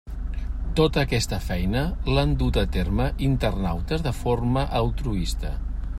Tota aquesta feina l'han duta a terme internautes de forma altruista.